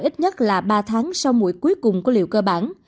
ít nhất là ba tháng sau mũi cuối cùng của liệu cơ bản